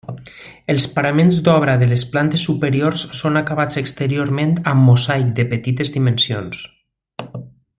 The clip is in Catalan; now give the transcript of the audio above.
Els paraments d'obra de les plantes superiors són acabats exteriorment amb mosaic de petites dimensions.